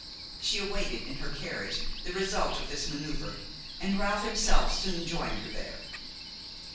She awaited in her carriage the result of this manoeuvre, and Ralph himself soon joined her there.